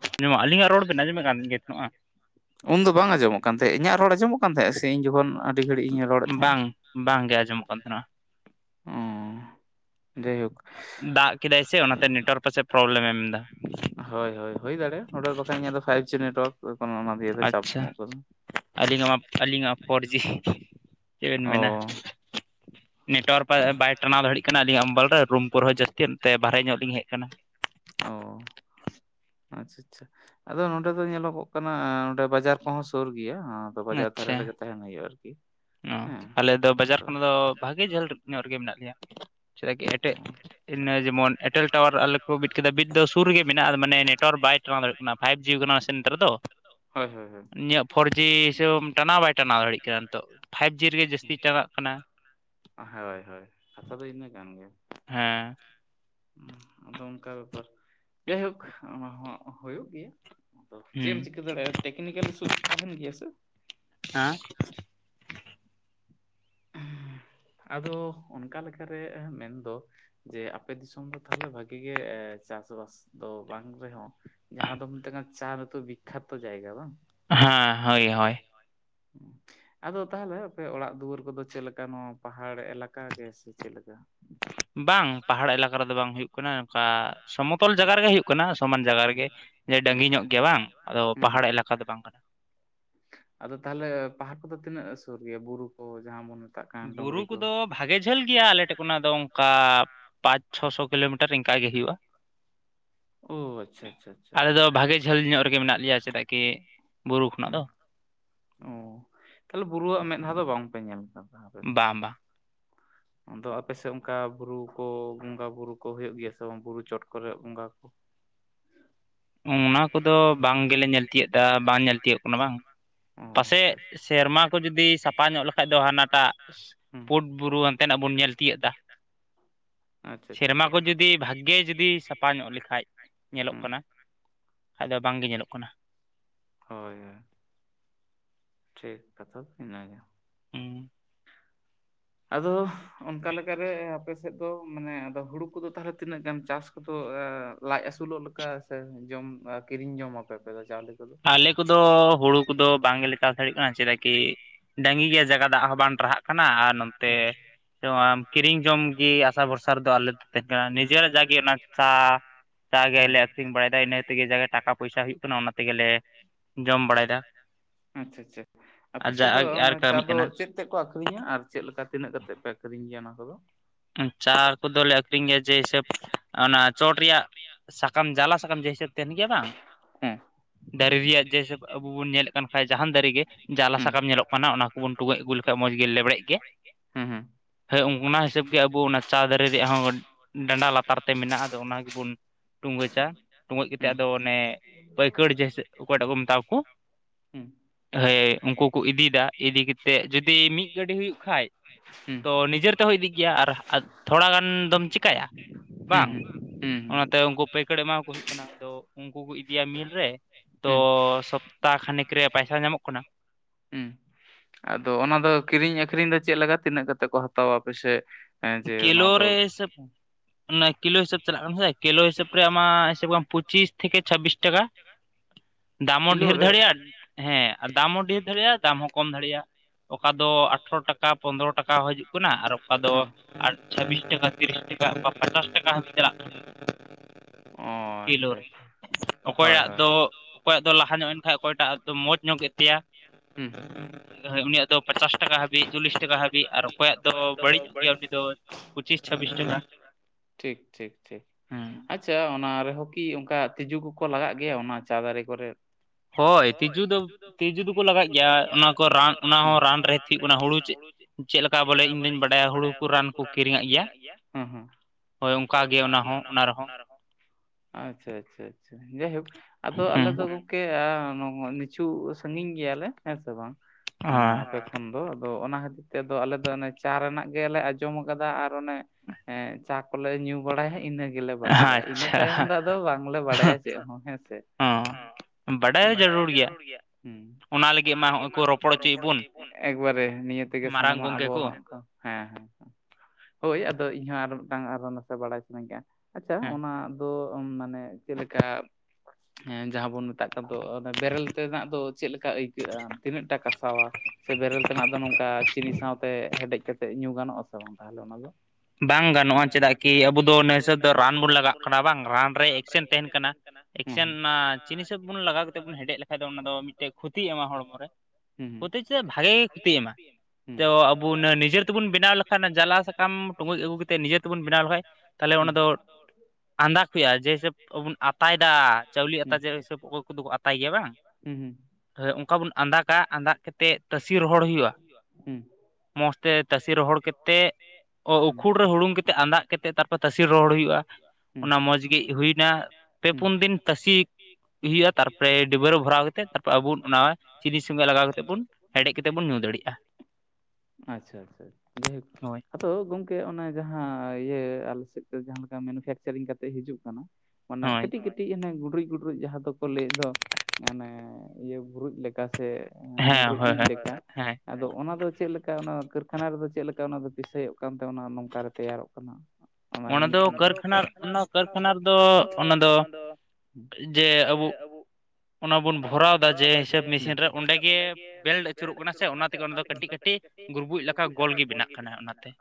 [unintelligible] ᱟᱹᱞᱤᱧᱟᱜ ᱨᱚᱲ ᱵᱮᱱ ᱟᱸᱡᱚᱢᱮᱫ ᱠᱟᱱ ᱜᱮ ᱱᱚᱣᱟ᱾ ᱩᱱᱫᱚ ᱵᱟᱝ ᱟᱸᱡᱚᱢᱚᱜ ᱠᱟᱱ ᱛᱟᱦᱮᱸᱫ, ᱤᱧᱟᱹᱜ ᱨᱚᱲ ᱟᱸᱡᱚᱚᱜ ᱠᱟᱱ ᱛᱟᱦᱮᱸ ᱥᱮ ᱤᱧ ᱡᱚᱠᱷᱚᱱᱼᱼ ᱵᱟᱝ ᱵᱟᱝᱜᱮ ᱟᱸᱡᱚᱢᱚᱜ ᱠᱟᱱ ᱛᱟᱦᱮᱸᱱᱟ᱾ ᱚᱻ ᱡᱟᱭᱦᱳᱠ᱾ ᱫᱟᱜ ᱠᱮᱫᱟᱭ ᱥᱮ ᱚᱱᱟᱛᱮ ᱱᱮᱴᱣᱟᱨᱠ ᱯᱟᱥᱮᱡ ᱯᱨᱚᱵᱞᱮᱢ ᱮᱢ ᱫᱟ᱾ ᱦᱳᱭ ᱦᱳᱭ ᱦᱳᱭ ᱫᱟᱲᱮᱭᱟᱜ ᱱᱚᱰᱮ ᱵᱟᱠᱷᱟᱱ ᱤᱧᱟᱜ ᱫᱚ ᱯᱷᱟᱭᱤᱵ ᱡᱤ ᱱᱮᱴᱣᱟᱨᱠ ᱚᱱᱟ ᱫᱤᱭᱮ ᱪᱟᱯ ᱵᱟᱹᱱᱩᱜ ᱠᱟᱫᱟ᱾ ᱟᱹᱞᱤᱧᱟᱜ ᱢᱟ ᱟᱹᱞᱤᱧᱟᱜ ᱯᱷᱳᱨ ᱡᱤ ᱪᱮᱫ ᱵᱮᱱ ᱢᱮᱱᱟ᱾ ᱱᱮᱴᱣᱟᱨᱠ ᱵᱟᱭ ᱴᱟᱱᱟᱣ ᱫᱟᱲᱮᱭᱟᱜ ᱠᱟᱱᱟ ᱟᱹᱞᱤᱧ ᱢᱚᱵᱟᱭᱤᱞ ᱨᱮ ᱨᱩᱢ ᱠᱚᱨᱮ ᱦᱚᱸ ᱡᱟᱹᱥᱛᱤ ᱱᱚᱛᱮ ᱵᱟᱨᱦᱮ ᱧᱚᱜ ᱞᱤᱧ ᱦᱮᱡᱽ ᱠᱟᱱᱟ᱾ ᱚᱻ ᱟᱪᱪᱷᱟ ᱟᱪᱪᱷᱟ ᱟᱫᱚ ᱱᱚᱰᱮ ᱫᱚ ᱧᱮᱞᱚᱜᱚᱜ ᱠᱟᱱᱟ ᱱᱚᱸᱰᱮ ᱵᱟᱡᱟᱨ ᱠᱚᱦᱚᱸ ᱥᱳᱨ ᱜᱮᱭᱟ᱾ ᱵᱟᱡᱟᱨ ᱫᱷᱟᱨᱮ ᱨᱮᱜᱮ ᱛᱟᱦᱮᱱ ᱦᱩᱭᱩᱜ-ᱟ ᱟᱨᱠᱤ᱾ ᱚ ᱟᱞᱮ ᱫᱚ ᱵᱟᱡᱟᱨ ᱠᱷᱚᱱ ᱫᱚ ᱵᱷᱟᱜᱮ ᱡᱷᱟᱹᱞ ᱧᱚᱜ ᱨᱮᱜᱮ ᱢᱮᱱᱟᱜ ᱞᱮᱭᱟ᱾ ᱪᱮᱫᱟᱜ ᱠᱤ ᱮᱴᱮᱜ ᱤᱱᱟᱹ ᱡᱮᱢᱚᱱ ᱮᱴᱮᱞ ᱴᱟᱣᱟᱨ ᱟᱞᱮ ᱠᱚ ᱵᱤᱫ ᱠᱮᱫᱟ ᱵᱤᱫ ᱫᱚ ᱥᱩᱨ ᱨᱮᱜᱮ ᱢᱮᱱᱟᱜ-ᱟ ᱢᱟᱱᱮ ᱱᱮᱴᱣᱟᱨᱠ ᱵᱟᱭᱼᱼ [unintelligible] ᱠᱟᱱᱟ ᱯᱷᱟᱭᱤᱵ ᱡᱤ ᱦᱩᱭᱩᱜ ᱠᱟᱱᱟ ᱥᱮ [unintelligible] ᱫᱚ ᱤᱧᱟᱹᱜ ᱯᱷᱳᱨ ᱡᱤ ᱦᱤᱥᱟᱹᱵ ᱴᱟᱱᱟᱣ ᱟᱣᱟᱭ᱾ ᱴᱟᱱᱟᱣ ᱫᱟᱲᱮᱭᱟᱜ ᱠᱟᱱᱟ ᱱᱤᱛᱚᱜ᱾ ᱯᱷᱟᱭᱤᱯ ᱡᱤ ᱨᱮᱜᱮ ᱡᱟᱥᱛᱤ ᱪᱟᱞᱟᱜ ᱠᱟᱱᱟ ᱦᱚᱭ ᱦᱚᱭ ᱠᱟᱛᱷᱟ ᱫᱚ ᱤᱱᱟᱹ ᱠᱟᱱ ᱜᱮᱭᱟ᱾ ᱦᱮᱸ ᱩᱸ ᱟᱫᱚ ᱚᱝᱠᱟ ᱵᱮᱯᱟᱨ ᱡᱟᱭᱦᱳᱠ ᱚᱱᱟ ᱦᱚᱸ ᱦᱩᱭᱩᱜ ᱜᱮᱭᱟ᱾ ᱟᱫᱚ ᱪᱮᱫ ᱮᱢ ᱪᱤᱠᱟᱹ ᱫᱟᱲᱮᱭᱟᱜ-ᱟ ᱴᱮᱠᱱᱤᱠᱮᱞ ᱤᱥᱩ ᱫᱚ ᱛᱟᱦᱮᱱ ᱜᱮᱭᱟ ᱥᱮ᱾ ᱟᱸ [unintelligible] ᱟᱫᱚ ᱚᱱᱠᱟ ᱞᱮᱠᱟᱨᱮ ᱢᱮᱱᱫᱚ᱾ ᱡᱮ ᱟᱯᱮ ᱫᱤᱥᱚᱢ ᱫᱚ ᱛᱟᱦᱞᱮ ᱵᱷᱟᱹᱜᱤ ᱜᱮ ᱪᱟᱥᱵᱟᱥ ᱫᱚ ᱵᱟᱝ ᱨᱮᱦᱚᱸ᱾ ᱡᱟᱦᱟᱸ ᱫᱚᱢ ᱢᱮᱛᱟᱜ ᱠᱟᱱᱟ ᱪᱟ ᱱᱤᱛᱚ ᱵᱤᱠᱠᱷᱟᱛᱚ ᱡᱟᱭᱜᱟ ᱵᱟᱝ᱾ ᱦᱟᱸ ᱦᱳᱭ ᱦᱚᱭ᱾ ᱟᱫᱚ ᱛᱟᱦᱞᱮ ᱟᱯᱮ ᱚᱲᱟᱜ ᱫᱩᱣᱟᱹᱨ᱾ ᱠᱚᱫᱚ ᱪᱮᱫ ᱞᱮᱠᱟ ᱱᱚᱣᱟ ᱯᱟᱦᱟᱲ ᱮᱞᱟᱠᱟ ᱜᱮ ᱥᱮ ᱪᱮᱫ ᱞᱮᱠᱟ᱾ ᱵᱟᱝ ᱯᱟᱦᱟᱲ ᱮᱞᱟᱠᱟ ᱨᱮᱫᱚ ᱵᱟᱝ ᱦᱩᱭᱩᱜ ᱠᱟᱱᱟ ᱱᱚᱝᱠᱟ ᱥᱚᱢᱚ᱾ ᱥᱚᱛᱚᱞ ᱡᱟᱜᱟ ᱨᱮᱜᱮ ᱦᱩᱭᱩᱜ ᱠᱟᱱᱟ ᱥᱚᱢᱟᱱ ᱡᱟᱜᱟ ᱨᱮᱜᱮ ᱡᱮ ᱰᱟᱜᱤ ᱧᱚᱜ ᱜᱮᱭᱟ ᱵᱟᱝ ᱟᱫᱚ ᱯᱟᱦᱟᱲ ᱮᱞᱟᱠᱟ ᱫᱚ ᱵᱟᱝ ᱠᱟᱱᱟ᱾ ᱟᱫᱚ ᱛᱟᱦᱞᱮ ᱯᱟᱦᱟᱲ ᱠᱚᱫᱚ ᱛᱤᱱᱟᱹᱜ ᱥᱩᱨ ᱜᱮᱭᱟ ᱵᱩᱨᱩ ᱠᱚ ᱡᱟᱦᱟᱸ ᱵᱚᱱ᱾ ᱵᱩᱨᱩ ᱠᱚᱫᱚ ᱵᱷᱟᱜᱮ ᱡᱷᱟᱹᱞ ᱜᱮᱭᱟ ᱟᱞᱮ ᱴᱷᱮ ᱠᱷᱚᱱᱟᱜ ᱫᱚ ᱚᱝᱠᱟ ᱯᱟᱸᱪ᱾ ᱪᱷᱚᱥᱚ ᱠᱤᱞᱳᱢᱤᱴᱟᱨ ᱤᱝᱠᱟ ᱜᱮ ᱦᱩᱭᱩᱜ-ᱟ᱾ ᱟᱞᱮ ᱫᱚ ᱵᱷᱟᱜᱮ ᱡᱷᱟᱹᱞ ᱧᱚᱜ ᱨᱮᱜᱮ ᱢᱮᱱᱟᱜ ᱞᱮᱭᱟ ᱪᱮᱫᱟᱜ ᱠᱤ ᱵᱩᱨᱩ ᱠᱷᱚᱱᱟᱜ ᱫᱚ᱾ ᱚᱻ ᱛᱦᱟᱞᱮ ᱵᱩᱨᱩᱣᱟᱜ ᱢᱮᱫᱦᱟ ᱫᱚ ᱵᱟᱝᱯᱮ ᱧᱟᱢ ᱫᱟ᱾ ᱵᱟ ᱵᱟ ᱟᱫᱚ ᱟᱯᱮᱥᱮᱫ ᱚᱝᱠᱟ ᱵᱩᱨᱩ ᱠᱚ ᱵᱚᱸᱜᱟ ᱵᱩᱨᱩ ᱠᱚ ᱦᱩᱭᱩᱜ ᱜᱮᱭᱟ ᱥᱮ ᱵᱟᱝ ᱵᱩᱨᱩ ᱪᱚᱴ ᱠᱚᱨᱮ ᱵᱚᱸᱜᱟ ᱠᱚ᱾ ᱚᱱᱟ ᱠᱚᱫᱚ ᱵᱟᱝ ᱜᱮᱞᱮ ᱧᱮᱞ ᱛᱤᱭᱟᱹᱜ ᱫᱟ ᱵᱟᱝ ᱧᱮᱞ ᱛᱤᱭᱟᱹᱜ ᱠᱟᱱᱟ ᱵᱟᱝ ᱯᱟᱥᱮᱜ᱾ ᱥᱮᱨᱢᱟ ᱠᱚ ᱡᱩᱫᱤ ᱥᱟᱯᱷᱟ ᱧᱚᱜ ᱞᱮᱠᱷᱟᱡ ᱫᱚ ᱦᱟᱱᱟᱴᱟᱜ ᱯᱩᱸᱰ ᱵᱩᱨᱩ ᱦᱟᱱᱛᱮᱱᱟᱜ ᱵᱚᱱ ᱧᱮᱞ ᱛᱤᱭᱟᱹᱜ ᱫᱟ᱾ ᱥᱮᱨᱢᱟ ᱠᱚ ᱡᱩᱫᱤ ᱵᱷᱟᱜᱮ ᱡᱩᱫᱤ ᱥᱟᱯᱷᱟ ᱧᱚᱜ ᱞᱮᱠᱷᱟᱡ ᱧᱮᱞᱚᱜ ᱠᱟᱱᱟ᱾ ᱠᱷᱟᱡ ᱫᱚ ᱵᱟᱝᱜᱮ ᱧᱮᱞᱚᱜ ᱠᱟᱱᱟ᱾ ᱦᱳᱭ ᱦᱳᱭ ᱴᱷᱤᱠ ᱠᱟᱛᱷᱟ ᱤᱱᱟᱹᱜᱮ᱾ ᱟᱫᱚ ᱚᱱᱠᱟ ᱞᱮᱠᱟᱨᱮ ᱟᱯᱮᱥᱮᱫ ᱫᱚ ᱢᱟᱱᱮ ᱟᱫᱚ ᱦᱩᱲᱩ ᱠᱚᱫᱚ ᱛᱟᱦᱞᱮ ᱛᱤᱱᱟᱹᱜ ᱜᱟᱱ ᱪᱟᱥ᱾ ᱠᱚᱫᱚ ᱮ ᱞᱟᱡ ᱟᱹᱥᱩᱞᱚᱜ ᱞᱮᱠᱟ ᱥᱮ ᱡᱚᱢ ᱠᱤᱨᱤᱧ ᱡᱚᱢ ᱟᱯᱮ ᱯᱮ ᱪᱟᱣᱞᱮ ᱠᱚᱫᱚ᱾ ᱟᱞᱮ ᱠᱚᱫᱚ ᱦᱩᱲᱩ ᱠᱚᱫᱚ ᱵᱟᱝ ᱜᱮᱞᱮ ᱪᱟᱥ ᱫᱟᱲᱮᱭᱟᱜ ᱠᱟᱱᱟ ᱪᱮᱫᱟᱜ ᱠᱤ ᱰᱟᱹᱜᱤ ᱜᱮᱭᱟ ᱡᱟᱜᱟ ᱫᱚ᱾ ᱫᱟᱜ ᱦᱚᱸ ᱵᱟᱝ ᱴᱟᱨᱦᱟᱜ ᱠᱟᱱᱟ ᱟᱨ ᱱᱚᱱᱛᱮ᱾ ᱱᱚᱣᱟᱢ ᱠᱤᱨᱤᱧ ᱡᱚᱢᱜᱮ ᱟᱥᱟ ᱵᱷᱚᱨᱥᱟ ᱨᱮᱫᱚ ᱟᱞᱮ ᱫᱚ ᱛᱮᱦᱮᱸᱱ ᱠᱟᱱᱟ ᱱᱤᱡᱮᱨᱟᱜ ᱡᱟᱜᱮ ᱚᱱᱟ ᱪᱟ᱾ ᱪᱟ ᱜᱮ ᱟᱠᱷᱨᱤᱧ ᱵᱟᱲᱟᱭᱮᱫᱟ ᱤᱱᱟᱹ ᱛᱮᱜᱮ ᱡᱟᱜᱮ ᱴᱟᱠᱟ ᱯᱚᱭᱥᱟ ᱦᱩᱭᱩᱜ ᱠᱟᱱᱟ ᱚᱱᱟ᱾ ᱛᱮᱜᱮᱞᱮ ᱡᱚᱢ ᱵᱟᱲᱟᱭᱮᱫᱟ ᱟᱨ ᱡᱟᱜ ᱟᱨ ᱠᱟᱹᱢᱤᱜ ᱠᱟᱱᱟ᱾ ᱪᱮᱫ ᱛᱮᱫ ᱠᱚ ᱟᱠᱷᱨᱤᱧᱟ ᱟᱨ ᱪᱮᱫ ᱞᱮᱠᱟ ᱛᱤᱱᱟᱹᱜ ᱠᱟᱛᱮ ᱯᱮ ᱟᱹᱠᱷᱨᱤᱧ ᱜᱮᱭᱟ ᱚᱱᱟ ᱠᱚᱫᱚ᱾ ᱪᱟ ᱠᱚᱫᱚᱞᱮ ᱟᱠᱷᱨᱤᱧ ᱜᱮᱭᱟ ᱡᱮ ᱦᱤᱥᱟᱹᱵ ᱚᱱᱟ᱾ ᱪᱚᱴ ᱨᱮᱭᱟᱜ ᱥᱟᱠᱟᱢ ᱡᱟᱞᱟ ᱥᱟᱠᱟᱢ ᱡᱮ ᱦᱤᱥᱟᱹᱵ ᱛᱟᱦᱮᱱ ᱜᱮᱭᱟ ᱵᱟᱝ᱾ ᱫᱟᱨᱮ ᱨᱮᱭᱟᱜ ᱡᱮᱦᱤᱥᱟᱹᱵ ᱟᱵᱚ ᱵᱚᱱ ᱧᱮᱞᱮᱜ ᱠᱟᱱ ᱠᱷᱟᱡ ᱡᱟᱦᱟᱱ ᱫᱟᱨᱮ ᱜᱮ ᱡᱟᱞᱟ ᱥᱟᱠᱟᱢ ᱧᱮᱞᱚᱜ ᱠᱟᱱᱟ ᱚᱱᱟ᱾ ᱠᱚᱵᱚᱱ ᱴᱩᱜᱚᱡ ᱟᱹᱜᱩ ᱞᱮᱠᱷᱟᱱ ᱢᱚᱡᱽ ᱜᱮ ᱞᱮᱵᱲᱮᱡ ᱜᱮ ᱦᱮᱸ ᱚᱱᱟ ᱦᱤᱥᱟᱹᱵ᱾ ᱜᱮ ᱟᱵᱚ ᱚᱱᱟ ᱪᱟ ᱫᱟᱨᱮ ᱨᱮᱭᱟᱜ ᱦᱚᱸ ᱰᱟᱸᱰᱟ ᱞᱟᱛᱟᱨ ᱛᱮ ᱢᱮᱱᱟᱜ-ᱟ ᱟᱫᱚ ᱚᱱᱟ ᱜᱮᱵᱚᱱ᱾ ᱴᱩᱜᱩᱡᱟ ᱴᱩᱜᱩᱡ ᱠᱟᱛᱮ ᱟᱫᱚ ᱚᱱᱮ᱾ ᱯᱟᱹᱭᱠᱟᱹᱲ ᱡᱮᱥᱮ ᱚᱠᱚᱭᱴᱟᱜ ᱠᱚ ᱢᱮᱛᱟᱣ ᱠᱚ᱾ ᱦᱮᱸ ᱩᱱᱠᱩ ᱠᱚ ᱤᱫᱤᱭᱮᱫᱟ ᱤᱫᱤ ᱠᱟᱛᱮ ᱡᱩᱫᱤ ᱢᱤᱫ ᱜᱟᱹᱰᱤ ᱦᱩᱭᱩᱜ ᱠᱷᱟᱡ᱾ ᱛᱚ ᱱᱤᱡᱮᱨ ᱛᱮᱦᱚᱸ ᱤᱫᱤᱜ ᱜᱮᱭᱟ ᱟᱨ ᱛᱷᱚᱲᱟ ᱜᱟᱱ ᱫᱚᱢ ᱪᱤᱠᱟᱭᱟ ᱵᱟᱝ᱾ ᱚᱱᱟᱛᱮ ᱩᱱᱠᱩ ᱯᱮᱠᱮᱴ ᱮᱢᱟ ᱠᱚ ᱦᱩᱭᱩᱜ ᱠᱟᱱᱟ ᱛᱚ ᱩᱱᱠᱩ ᱠᱚ ᱤᱫᱤᱭᱟ ᱢᱤᱞ ᱨᱮ ᱛᱚ ᱥᱚᱯᱛᱟᱦ ᱠᱷᱟᱱᱮᱠ ᱨᱮ ᱯᱟᱭᱥᱟ ᱧᱟᱢᱚᱜ ᱠᱟᱱᱟ᱾ ᱦᱮᱸ ᱟᱫᱚ ᱚᱱᱟ ᱫᱚ ᱠᱤᱨᱤᱧ ᱟᱹᱠᱷᱨᱤᱧ ᱫᱚ ᱪᱮᱫ ᱞᱮᱠᱟ ᱛᱤᱱᱟᱹᱜ ᱠᱟᱛᱮ ᱠᱚ ᱦᱟᱛᱟᱣᱟ ᱟᱯᱮᱥᱮᱫ? ᱠᱮᱞᱳ ᱨᱮ ᱦᱤᱥᱟᱹᱵ ᱚᱱᱟ ᱠᱤᱞᱳ ᱦᱤᱥᱟᱹᱵ ᱪᱟᱞᱟᱜ ᱠᱟᱱᱟ ᱥᱮ ᱠᱮᱞᱳ ᱦᱤᱥᱟᱹᱵ ᱨᱮ ᱟᱢᱟᱜ ᱦᱤᱥᱟᱹᱵ ᱠᱟᱢ ᱯᱚᱸᱪᱤᱥ ᱛᱷᱮᱠᱮ ᱪᱷᱟᱵᱤᱥ ᱴᱟᱠᱟ᱾ ᱫᱟᱢ ᱦᱚᱸ ᱰᱷᱮᱨ ᱫᱟᱲᱮᱭᱟᱜ-ᱟ, ᱦᱮᱸ ᱟᱨ ᱫᱟᱢ ᱦᱚᱸ ᱰᱷᱮᱨ ᱫᱟᱲᱮᱭᱟᱜ-ᱟ, ᱫᱟᱢ ᱦᱚᱸ ᱠᱚᱢ ᱫᱟᱲᱮᱭᱟᱜ-ᱟ᱾ ᱚᱠᱟ ᱫᱚ ᱟᱴᱷᱨᱚ ᱴᱟᱠᱟ ᱯᱚᱱᱫᱽᱨᱚ ᱴᱟᱠᱟ ᱦᱤᱡᱩᱜ ᱠᱟᱱᱟ ᱟᱨ ᱚᱠᱟ ᱫᱚ ᱟᱨ ᱪᱷᱟᱵᱵᱤᱥ ᱴᱟᱠᱟ ᱛᱤᱨᱤᱥ ᱴᱟᱠᱟ ᱯᱚᱧᱪᱟᱥ ᱴᱟᱠᱟ ᱦᱟᱹᱵᱤᱪ ᱪᱟᱞᱟᱜ ᱠᱟᱱᱟ᱾ ᱚᱻ ᱟᱪᱪᱷᱟ ᱟᱪᱪᱷᱟ᱾ ᱚᱠᱚᱭᱟᱜ ᱫᱚ ᱚᱠᱚᱭᱟᱜ ᱫᱚ ᱞᱟᱦᱟ ᱧᱚᱜ ᱮᱱ ᱠᱷᱟᱡ ᱚᱠᱚᱭᱴᱟᱜ ᱫᱚ ᱢᱚᱡᱽ ᱧᱚᱜ ᱠᱮᱫ ᱛᱟᱭᱟ᱾ ᱦᱩᱸᱻᱦᱩᱸ᱾ ᱩᱱᱤᱭᱟᱜ ᱫᱚ ᱯᱚᱸᱪᱟᱥ ᱴᱟᱠᱟ ᱦᱟᱹᱵᱤᱡ ᱪᱚᱞᱞᱤᱥ ᱴᱟᱠᱟ ᱦᱟᱹᱵᱤᱡ ᱟᱨ ᱚᱠᱚᱭᱟᱜ ᱫᱚ ᱵᱟᱹᱲᱤᱡ ᱧᱚᱜ ᱜᱮᱭᱟ [unintelligible] ᱴᱷᱤᱠ ᱴᱷᱤᱠ ᱴᱷᱤᱠ᱾ ᱟᱪᱪᱷᱟ ᱚᱱᱟ ᱨᱮᱦᱚᱸ ᱠᱤ ᱚᱱᱠᱟ ᱛᱤᱡᱩ ᱠᱚᱠᱚ ᱞᱟᱜᱟᱜ ᱜᱮᱭᱟ ᱚᱱᱟ ᱪᱟ ᱫᱟᱨᱮ ᱠᱚᱨᱮᱜ? ᱦᱳᱭ ᱛᱤᱡᱩ ᱫᱚ ᱛᱤᱡᱩ ᱫᱚᱠᱚ ᱞᱟᱜᱟᱜ ᱜᱮᱭᱟ ᱚᱱᱟ ᱠᱚ ᱨᱟᱱ ᱚᱱᱟ ᱨᱟᱱ ᱨᱮᱦᱮᱫ ᱦᱩᱭᱩᱜ ᱠᱟᱱᱟ ᱦᱩᱲᱩ ᱪᱮᱫ ᱪᱮᱫ ᱞᱮᱠᱟ ᱵᱚᱞᱮ ᱤᱧ ᱫᱩᱧ ᱵᱟᱰᱟᱭᱟ ᱦᱩᱲᱩ ᱠᱚ ᱨᱟᱱ ᱠᱚ ᱠᱤᱨᱤᱧᱟᱜ ᱜᱮᱭᱟ, ᱦᱮᱸ ᱦᱮᱸ᱾ ᱦᱳᱭ ᱚᱱᱠᱟᱜ ᱜᱮ ᱚᱱᱟ ᱦᱚᱸ ᱚᱱᱟ ᱨᱮᱦᱚᱸ᱾ ᱟᱪᱪᱷᱟ ᱟᱪᱪᱷᱟ ᱟᱪᱷᱟ ᱡᱟᱭᱦᱳᱠ ᱟᱫᱚ ᱟᱞᱮ ᱫᱚ ᱜᱚᱢᱠᱮ ᱱᱤᱪᱷᱩ ᱥᱟᱺᱜᱤᱧ ᱜᱮᱭᱟᱞᱮ ᱦᱮᱸ ᱥᱮ ᱵᱟᱝ, [unintelligible] ᱠᱷᱚᱱ ᱫᱚ ᱟᱫᱚ ᱚᱱᱟ ᱦᱚᱛᱮᱫ ᱛᱮᱫᱚ ᱟᱞᱮ ᱫᱚ ᱚᱱᱮ ᱪᱟ ᱨᱮᱱᱟᱜ ᱜᱮᱞᱮ ᱟᱸᱡᱚᱢ ᱠᱟᱫᱟ ᱟᱨ ᱚᱱᱮ ᱦᱮᱸ ᱪᱟ ᱠᱚᱞᱮ ᱧᱩ ᱵᱟᱲᱟᱭᱟ ᱦᱟᱜ ᱤᱱᱟᱹ ᱜᱮ, ᱜᱮᱞᱮ ᱵᱟᱲᱟᱭᱟ ᱤᱱᱟᱹ ᱛᱟᱭᱚᱢ ᱫᱚ ᱟᱫᱚ ᱵᱟᱝᱞᱮ ᱵᱟᱲᱟᱭᱟ ᱪᱮᱫ ᱦᱚᱸ ᱦᱮᱸᱥᱮ ᱦᱚᱸ, ᱵᱟᱰᱟᱭ ᱦᱚᱸ ᱡᱟᱹᱨᱩᱲ ᱜᱮᱭᱟ ᱦᱩᱸ ᱚᱱᱟ ᱞᱟᱹᱜᱤᱫ ᱢᱟ ᱱᱚᱜ-ᱚᱭ ᱠᱚ ᱨᱚᱯᱚᱲ ᱦᱚᱪᱚᱭᱫᱟᱵᱚᱱ ᱮᱠᱵᱟᱨᱮ ᱱᱤᱭᱟᱹ ᱛᱮᱜᱮ ᱥᱟᱱᱟᱢᱟᱜ ᱟᱵᱚ ᱦᱮᱸ ᱦᱮᱸ ᱦᱮᱸ ᱦᱳᱭ ᱟᱫᱚ ᱤᱧ ᱦᱚᱸ ᱟᱨ ᱢᱤᱫᱴᱟᱝ ᱟᱨᱚᱸ ᱱᱚᱛᱮ ᱵᱟᱲᱟᱭ ᱥᱟᱱᱟᱧ ᱠᱟᱱᱟ, ᱟᱪᱪᱷᱟ ᱚᱱᱟ ᱫᱚ ᱢᱟᱱᱮ ᱪᱮᱫ ᱞᱮᱠᱟ ᱦᱮᱸ ᱡᱟᱦᱟᱸ ᱵᱚᱱ ᱢᱮᱛᱟᱜ ᱠᱟᱱ ᱫᱚ ᱵᱮᱨᱮᱞ ᱛᱮᱱᱟᱜ ᱫᱚ ᱪᱮᱫᱞᱮᱠᱟ ᱟᱹᱭᱠᱟᱹᱜ-ᱟ ᱛᱤᱱᱟᱹᱜ ᱴᱟ ᱠᱟᱥᱟ ᱠᱟᱥᱟᱣᱟ ᱥᱮ ᱵᱮᱨᱮᱞ ᱛᱮᱱᱟᱜ ᱫᱚ ᱱᱚᱝᱠᱟ ᱪᱤᱱᱤ ᱥᱟᱶᱛᱮ ᱦᱮᱰᱮᱡ ᱠᱟᱛᱮ ᱧᱩ ᱜᱟᱱᱚᱜ-ᱟᱥᱮ ᱵᱟᱝ? ᱛᱟᱦᱚᱞᱮ ᱚᱱᱟ ᱫᱚ ᱵᱟᱝ ᱜᱟᱱᱚᱜ-ᱟ ᱪᱮᱫᱟᱜ ᱠᱤ ᱟᱵᱚ ᱫᱚ ᱚᱱᱟᱹ ᱦᱤᱥᱟᱹᱵ ᱫᱚ ᱨᱟᱱ ᱵᱚᱱ ᱞᱟᱜᱟᱣ ᱟᱜ ᱠᱟᱱᱟ ᱵᱟᱝ ᱨᱟᱱ ᱨᱮᱭᱟᱜ ᱮᱠᱥᱮᱱ ᱛᱟᱦᱮᱱ ᱠᱟᱱᱟ᱾ ᱮᱠᱥᱮᱱ ᱚᱱᱟ ᱪᱤᱱᱤ ᱦᱤᱥᱟᱹᱵ ᱵᱚᱱ ᱞᱟᱜᱟᱣ ᱠᱟᱛᱮᱫ ᱵᱚᱱ ᱦᱮᱰᱮᱡ ᱞᱮᱠᱷᱟᱡ ᱫᱚ ᱚᱱᱟ ᱫᱚ ᱢᱤᱫᱴᱮᱡ ᱠᱷᱚᱛᱤ ᱮᱢᱟ ᱦᱚᱲᱢᱚ ᱨᱮ, ᱠᱷᱚᱛᱤ ᱪᱮᱫ ᱵᱷᱟᱜᱮ ᱜᱮ ᱠᱷᱚᱛᱤᱭ ᱮᱢᱟ᱾ ᱛᱚ ᱟᱵᱚ ᱚᱱᱟ ᱱᱤᱡᱮᱨ ᱛᱮᱵᱚᱱ ᱵᱮᱱᱟᱣ ᱞᱮᱠᱷᱟᱱ ᱡᱟᱞᱟ ᱥᱟᱠᱟᱢ ᱴᱩᱸᱜᱩᱡ ᱟᱹᱜᱩ ᱠᱟᱛᱮᱫ ᱱᱤᱡᱮ ᱛᱮᱵᱚᱱ ᱵᱮᱱᱟᱣ ᱞᱮᱠᱷᱟᱡ ᱛᱟᱦᱚᱞᱮ ᱚᱱᱟ ᱫᱚ ᱟᱸᱫᱟᱠ ᱦᱩᱭᱩᱜ-ᱟ ᱡᱮ ᱦᱤᱥᱟᱹᱵ ᱵᱚᱱ ᱟᱛᱟᱭᱮᱫᱟ ᱪᱟᱣᱞᱮ ᱟᱛᱟᱭ ᱡᱮ ᱦᱤᱥᱟᱹᱵ ᱚᱠᱚᱭ ᱠᱚᱫᱚ ᱠᱚ ᱟᱛᱟᱭ ᱜᱮᱭᱟ ᱵᱟᱝ, ᱦᱳᱭ ᱚᱱᱠᱟ ᱵᱚᱱ ᱟᱸᱫᱟᱠᱟ᱾ ᱟᱸᱫᱟᱜ ᱠᱟᱛᱮᱫ ᱛᱟᱥᱮ ᱨᱚᱦᱚᱲ ᱦᱩᱭᱩᱜ-ᱟ [inaudible] ᱢᱚᱡᱽ ᱛᱮ ᱛᱟᱥᱮ ᱨᱚᱦᱚᱲ ᱠᱟᱛᱮᱫ, ᱚᱻ ᱩᱠᱷᱩᱲ ᱨᱮ ᱦᱩᱲᱩᱝ ᱠᱟᱛᱮᱫ ᱟᱸᱫᱟᱜ ᱠᱟᱛᱮᱫ ᱛᱟᱨᱯᱚᱨᱮ ᱛᱟᱥᱮ ᱨᱚᱦᱚᱲ ᱦᱩᱭᱩᱜ-ᱟ ᱚᱱᱟ ᱢᱚᱡᱽ ᱜᱮ ᱦᱩᱭᱱᱟ, ᱯᱮ ᱯᱩᱱ ᱫᱤᱱ ᱛᱟᱥᱤ ᱦᱩᱭᱩᱜ-ᱟ ᱛᱟᱨᱯᱚᱨᱮ ᱰᱤᱵᱟᱹ ᱨᱮ ᱵᱷᱚᱨᱟᱣ ᱠᱟᱛᱮ ᱛᱟᱨᱯᱚᱨᱮ ᱟᱵᱚ ᱚᱱᱟ ᱥᱤᱨᱤᱥ ᱞᱟᱜᱟᱣ ᱠᱟᱛᱮ ᱵᱚᱱ ᱦᱮᱰᱮᱡ ᱠᱟᱛᱮ ᱵᱚᱱ ᱧᱩ ᱫᱟᱲᱮᱭᱟᱜ-ᱟ ᱟᱪᱪᱷᱟ ᱟᱪᱪᱷᱟ ᱡᱟᱭᱦᱳᱠ, ᱟᱫᱚ ᱜᱚᱝᱠᱮ ᱚᱱᱮ ᱡᱟᱦᱟᱸ ᱤᱭᱟᱹ ᱟᱞᱮ ᱥᱮᱫ ᱛᱮ ᱡᱟᱦᱟᱸ ᱞᱮᱠᱟ ᱢᱮᱱᱩᱯᱷᱮᱠᱪᱟᱨᱤᱝ ᱠᱟᱛᱮᱫ ᱦᱤᱡᱩᱜ ᱠᱟᱱᱟ, ᱢᱟᱱᱮ ᱠᱟᱹᱴᱤᱡ ᱠᱟᱹᱴ ᱠᱟᱹᱴᱤᱡ ᱚᱱᱮ ᱜᱩᱰᱨᱩᱡ ᱜᱩᱰᱨᱩᱡ ᱡᱟᱦᱟᱸ ᱫᱚᱠᱚ ᱞᱟᱹᱭᱮᱫ ᱫᱚ ᱢᱟᱱᱮ ᱤᱭᱟᱹ ᱜᱩᱨᱤᱡ ᱞᱮᱠᱟ ᱥᱮ [unintelligible] ᱚᱱᱟ ᱠᱟᱹᱨᱠᱷᱟᱱᱟ ᱨᱮᱫᱚ ᱪᱮᱫ ᱞᱮᱠᱟ ᱚᱱᱟ ᱯᱤᱥᱟᱹᱭᱚᱜ ᱠᱟᱱᱛᱮ, ᱚᱱᱟ ᱱᱚᱝᱠᱟ ᱨᱮ ᱛᱮᱭᱟᱨᱚᱜ ᱠᱟᱱᱟ᱾ [unintelligible] ᱚᱱᱟ ᱫᱚ ᱠᱟᱹᱨᱠᱷᱟᱱᱟ ᱚᱱᱟ ᱠᱟᱹᱨᱠᱷᱟᱱᱟᱫᱚ ᱚᱱᱟ ᱫᱚ ᱡᱮ ᱟᱵᱳ, ᱚᱱᱟ ᱵᱚᱱ ᱵᱷᱚᱨᱟᱣᱫᱟ ᱡᱮ ᱦᱤᱥᱟᱹᱵ ᱢᱮᱥᱤᱱ ᱨᱮ ᱚᱸᱰᱮ ᱜᱮ ᱜᱮ ᱵᱮᱞᱴ ᱟᱹᱪᱩᱨᱚᱜ ᱠᱟᱱᱟ ᱥᱮ ᱚᱱᱟ ᱛᱮᱜᱮ ᱚᱱᱟ ᱫᱚ ᱠᱟᱹᱴᱤᱡ ᱠᱟᱹᱴᱤᱡ ᱜᱩᱨᱵᱩᱡ ᱞᱮᱠᱟ ᱜᱳᱞ ᱜᱮ ᱵᱮᱱᱟᱜ ᱠᱟᱱᱟ ᱚᱱᱟᱛᱮ ᱾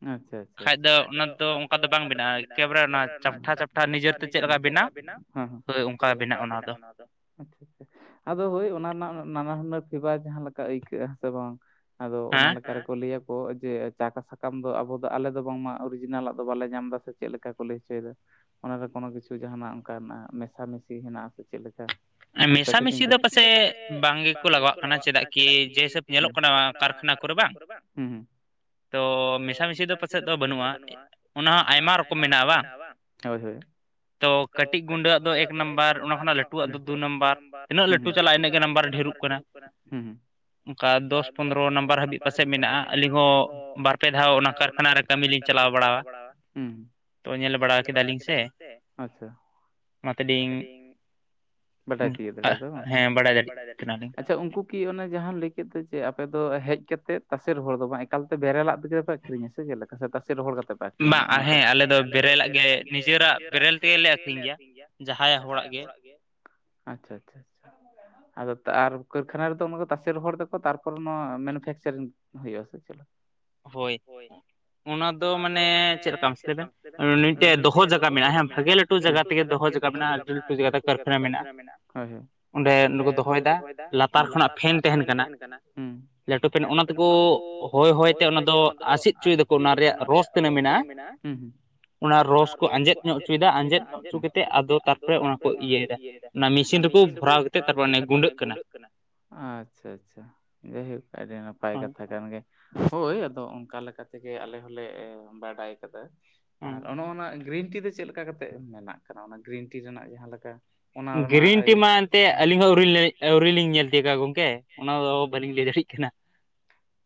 ᱟᱪᱪᱷᱟ ᱟᱪᱪᱷᱟ ᱟᱪᱪᱷᱟ ᱠᱷᱟᱡ ᱫᱚ ᱚᱱᱟ ᱫᱚ ᱚᱝᱠᱟ ᱫᱚ ᱵᱟᱝ ᱵᱮᱱᱟᱜ -ᱟ᱾ ᱮᱠᱮᱵᱟᱨᱮ ᱚᱱᱟ ᱪᱟᱯᱴᱷᱟ ᱪᱟᱯᱴᱷᱟ ᱱᱤᱡᱮ ᱛᱮ ᱪᱮᱫ ᱞᱮᱠᱟ ᱵᱮᱱᱟᱜ᱾ ᱦᱳᱭ ᱚᱱᱠᱟ ᱵᱮᱱᱟᱜ-ᱟ ᱱᱚᱣᱟ ᱫᱚ᱾ ᱟᱪᱪᱷᱟ ᱟᱪᱪᱷᱟ ᱟᱫᱚ, ᱦᱳᱭ ᱚᱱᱟ ᱨᱮᱱᱟᱜ ᱱᱟᱱᱟᱦᱩᱱᱟᱹ ᱯᱷᱤᱵᱟᱨ ᱡᱟᱦᱟᱸ ᱞᱮᱠᱟ ᱟᱹᱭᱠᱟᱹᱜᱼᱟ ᱥᱮ ᱵᱟᱝ? ᱟᱫᱚ ᱚᱱᱟ ᱞᱮᱠᱟ ᱜᱮᱠᱚ ᱞᱟᱹᱭᱟ᱾ ᱡᱮ ᱪᱟᱠᱟ ᱥᱟᱠᱟᱢ ᱫᱚ ᱟᱵᱚ ᱫᱚ ᱟᱞᱟᱫᱟ ᱵᱟᱝᱢᱟ ᱚᱨᱤᱡᱤᱱᱟᱞ- ᱟ ᱫᱚ ᱵᱟᱞᱮ ᱧᱟᱢ ᱮᱫᱟ ᱥᱮ ᱪᱮᱫ ᱞᱮᱠᱟ ᱠᱚ ᱞᱟᱹᱭ᱾ ᱦᱚᱪᱚᱭᱮᱫᱟ᱾ ᱚᱱᱟᱨᱮ ᱠᱚᱱᱳ ᱠᱤᱪᱷᱩ ᱡᱟᱦᱟᱱᱟᱜ ᱚᱱᱠᱟ ᱢᱮᱥᱟᱢᱤᱥᱤ ᱦᱮᱱᱟᱜ- ᱟ ᱥᱮ ᱪᱮᱫ ᱞᱮᱠᱟ? ᱢᱮᱥᱟ ᱢᱤᱥᱤ ᱫᱚ ᱯᱟᱥᱮᱜ ᱵᱟᱝ ᱜᱮᱠᱚ ᱞᱟᱜᱟᱣᱟᱜ ᱠᱟᱱᱟ᱾ ᱪᱮᱫᱟᱜ ᱠᱤ ᱡᱮᱥᱮ ᱧᱮᱞᱚᱜ ᱠᱟᱱᱟ ᱠᱟᱨᱠᱷᱟᱱᱟ ᱠᱚᱨᱮ ᱵᱟᱝ ᱦᱩᱸᱦᱩᱸ᱾ ᱛᱚ ᱢᱮᱥᱟᱢᱤᱥᱤ ᱫᱚ ᱯᱟᱥᱮᱫ ᱫᱚ ᱵᱟᱹᱱᱩᱜᱼᱟ᱾ ᱚᱱᱟ ᱦᱚᱸ ᱟᱭᱢᱟ ᱨᱚᱠᱚᱢ ᱢᱮᱱᱟᱜᱼᱟ᱾ ᱵᱟᱝ ᱦᱳᱭ ᱦᱳᱭ ᱾ ᱛᱚ ᱠᱟᱹᱴᱤᱡ ᱜᱩᱸᱰᱟᱹᱣᱟᱜ ᱫᱚ ᱮᱠ ᱱᱟᱢᱵᱟᱨ ᱚᱱᱟ ᱠᱷᱚᱱᱟᱜ ᱞᱟᱹᱴᱩ ᱫᱩ ᱱᱟᱢᱵᱟᱨ, ᱛᱤᱱᱟᱹᱜ ᱞᱟᱹᱴᱩ ᱪᱟᱞᱟᱜ-ᱟ ᱤᱱᱟᱹᱜ ᱜᱮ ᱱᱟᱢᱵᱟᱨ᱾ ᱜᱮ ᱱᱟᱢᱵᱟᱨ ᱰᱷᱮᱨᱚᱜ ᱠᱟᱱᱟ᱾ ᱚᱝᱠᱟ ᱫᱚᱥ ᱯᱚᱱᱫᱨᱚ ᱱᱟᱢᱵᱟᱨ ᱦᱟᱹᱵᱤᱡ ᱯᱟᱥᱮᱡ ᱢᱮᱱᱟᱜᱼᱟ᱾ ᱟᱹᱞᱤᱧ ᱦᱚᱸ ᱵᱟᱨᱯᱮ ᱫᱷᱟᱣ ᱚᱱᱟ ᱠᱟᱨᱠᱷᱟᱱᱟ ᱨᱮ ᱚᱱᱟ ᱨᱮ ᱠᱟᱹᱢᱤ ᱞᱤᱸᱧ ᱪᱟᱞᱟᱣ ᱵᱟᱲᱟᱣᱟ᱾ ᱧᱮᱞ ᱵᱟᱲᱟ ᱠᱮᱫᱟ ᱞᱤᱸᱧ ᱥᱮ ᱟᱪᱪᱷᱟ᱾ ᱚᱱᱟ ᱛᱮ ᱞᱤᱸᱧ ᱦᱮᱸ ᱵᱟᱲᱟᱭ ᱫᱟᱲᱮᱭᱟᱜ ᱠᱟᱱᱟ ᱞᱤᱸᱧ ᱾ ᱟᱪᱪᱷᱟ ᱩᱱᱠᱩ ᱠᱤ ᱮ ᱡᱟᱦᱟᱸ ᱞᱟᱹᱭ ᱠᱮᱫ ᱫᱚ ᱡᱮ ᱟᱯᱮ ᱫᱚ ᱦᱮᱡ ᱠᱟᱛᱮᱫ ᱛᱟᱥᱮ ᱨᱚᱦᱚᱲ ᱫᱚ ᱵᱟᱝ ᱮᱠᱟᱞᱛᱮ ᱵᱮᱨᱮᱞ ᱞᱟᱜ ᱛᱮᱜᱮᱯᱮ ᱟᱠᱷᱨᱤᱸᱧᱟ ᱥᱮ ᱪᱮᱫ ᱞᱮᱠᱟ ᱥᱮ ᱛᱟᱥᱮ ᱨᱚᱦᱚᱲ ᱠᱟᱛᱮ? ᱟᱠᱷᱨᱤᱸᱧᱟ ᱟᱨ ᱦᱮᱸ ᱟᱞᱮ ᱫᱚ ᱵᱮᱨᱮᱞᱟᱜ ᱜᱮ ᱱᱤᱡᱮᱨᱟᱜ ᱵᱮᱨᱮᱞ ᱛᱮᱜᱮᱞᱮ ᱟᱠᱷᱨᱤᱸᱧ ᱜᱮᱭᱟ ᱡᱟᱦᱟᱸᱭᱟᱜ ᱦᱚᱲᱟᱜ ᱜᱮ᱾ [inaudible] ᱟᱪᱪᱷᱟ ᱟᱪᱪᱷᱟ ᱟᱪᱷᱟ ᱟᱫᱚ ᱟᱨ ᱠᱟᱹᱨᱠᱷᱟᱱᱟ ᱨᱮᱫᱚ ᱚᱱᱟ ᱫᱚ ᱛᱟᱥᱮ ᱨᱚᱦᱚᱲ ᱫᱟᱠᱚ, ᱛᱟᱨᱯᱚᱨ ᱱᱚᱣᱟ ᱢᱮᱱᱩᱯᱷᱮᱠᱪᱟᱨᱤᱝ ᱦᱩᱭᱩᱜ -ᱟ ᱥᱮ ᱪᱮᱫ ᱞᱮᱠᱟ ᱾ ᱦᱳᱭ ᱚᱱᱟ ᱫᱚ ᱢᱟᱱᱮ ᱪᱮᱫ ᱞᱮᱠᱟ ᱢᱟᱥᱮ ᱞᱟᱹᱭ ᱵᱮᱱ ᱢᱤᱫᱴᱮᱡ ᱫᱚᱦᱚ ᱡᱟᱭᱜᱟ, ᱢᱮᱱᱟᱜᱼᱟ ᱦᱮᱸ [unintelligible] ᱞᱟᱹᱴᱩ ᱡᱟᱭᱜᱟ ᱛᱮᱜᱮ ᱫᱚᱦᱚ ᱡᱟᱭᱜᱟ ᱢᱮᱱᱟᱜᱼᱟ ᱞᱟᱹᱴᱤ ᱞᱟᱹᱴᱩ ᱡᱟᱭᱜᱟ ᱛᱮ ᱠᱟᱨᱠᱷᱟᱱᱟ ᱢᱮᱱᱟᱜᱼᱟ᱾ ᱚᱸᱰᱮ ᱫᱚᱦᱚᱭᱮᱫᱟ᱾ ᱞᱟᱛᱟᱨ ᱠᱷᱚᱱᱟᱜ ᱯᱷᱮᱱ ᱛᱮᱸᱦᱮᱱ ᱠᱟᱱᱟ᱾ ᱞᱟᱹᱴᱩ ᱯᱷᱮᱱ ᱚᱱᱟ ᱛᱮᱠᱚ ᱦᱚᱭ ᱦᱚᱭ᱾ ᱚᱱᱟ ᱫᱚ ᱟᱥᱤᱫ ᱦᱚᱪᱚᱭ ᱫᱟᱠᱚ, ᱚᱱᱟ ᱨᱮᱭᱟᱜ ᱨᱚᱥ ᱛᱤᱱᱟᱹᱜ ᱢᱮᱱᱟᱜᱼᱟ᱾ ᱚᱱᱟ ᱨᱚᱥ ᱠᱚ ᱟᱸᱡᱮᱫ ᱧᱚᱜ ᱦᱚᱪᱚᱭᱮᱫᱟ ᱟᱸᱡᱮᱫ ᱧᱚᱜ ᱦᱚᱪᱚ ᱠᱟᱛᱮᱫ ᱟᱫᱚ ᱛᱟᱨᱯᱚᱨᱮ ᱚᱱᱟ ᱠᱚ ᱤᱭᱟᱹᱭᱮᱫᱟ᱾ ᱚᱱᱟ ᱢᱤᱥᱤᱱ ᱨᱮᱠᱚ ᱵᱷᱚᱨᱟᱣ ᱠᱟᱛᱮᱫ ᱛᱟᱨᱯᱚᱨ ᱮ ᱜᱩᱰᱟᱹᱜ᱾ ᱜᱩᱸᱰᱟᱹᱜ ᱠᱟᱱᱟ᱾ ᱟᱪᱪᱷᱟ ᱟᱪᱪᱷᱟ ᱡᱟᱭᱦᱳᱠ ᱟᱹᱰᱤ ᱱᱟᱯᱟᱭ ᱠᱟᱛᱷᱟ ᱠᱟᱱ ᱜᱮ ᱾ ᱦᱳᱭ ᱟᱫᱚ ᱚᱝᱠᱟ ᱞᱮᱠᱟ ᱛᱮᱜᱮ ᱟᱞᱮ ᱦᱚᱸᱞᱮ ᱵᱟᱰᱟᱭ ᱠᱟᱫᱟ ᱟᱨ ᱚᱱᱟ ᱚᱱᱟ ᱜᱨᱤᱱ ᱴᱤ ᱫᱚ ᱪᱮᱫ ᱞᱮᱠᱟ ᱠᱟᱛᱮᱜ ᱢᱮᱱᱟᱜ ᱠᱟᱱᱟ ᱚᱱᱟ ᱜᱨᱤᱱ ᱴᱤ ᱨᱮᱱᱟᱜ ᱡᱟᱦᱟᱸ ᱞᱮᱠᱟ᱾ ᱜᱮᱨᱮᱱ ᱴᱤ ᱢᱟ ᱮᱱᱛᱮ ᱟᱹᱞᱤᱸᱧ ᱦᱚᱸ ᱟᱹᱣᱲᱤ ᱞᱟᱹᱭ ᱟᱹᱣᱨᱤ ᱞᱤᱸᱧ ᱧᱮᱞ ᱛᱤᱭᱳᱜᱟ ᱜᱚᱝᱠᱮ, ᱚᱱᱟᱫᱚ ᱵᱟᱹᱞᱤᱸᱧ ᱞᱟᱹᱭ ᱫᱟᱲᱮᱜ ᱠᱟᱱᱟ ᱾